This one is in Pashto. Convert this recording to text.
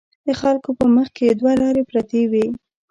د خلکو په مخکې دوه لارې پرتې وي.